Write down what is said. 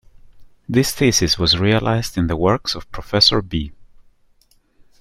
This thesis was realized in the works of Professor B.